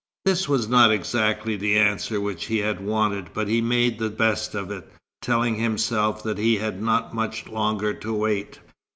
This was not exactly the answer which he had wanted, but he made the best of it, telling himself that he had not much longer to wait.